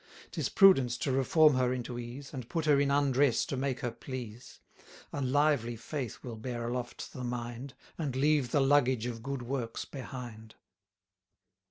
1030 'Tis prudence to reform her into ease, And put her in undress to make her please; A lively faith will bear aloft the mind, And leave the luggage of good works behind.